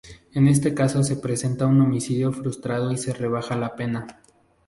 En este caso se presenta un homicidio frustrado y se rebaja la pena.